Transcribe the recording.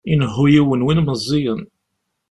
Inehhu yiwen win meẓẓiyen.